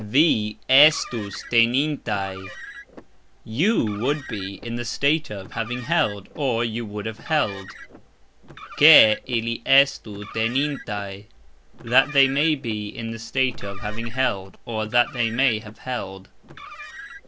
Vi estus tenintaj ........... You would be (in the state of) having held, or, you would have held. (Ke) ili estu tenintaj ...... (That) they may be (in the state of) having held, or, (that) they may have held.